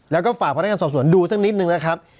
แล้วก็ฝากพนักงานสอบสวนดูสักนิดนึงนะครับ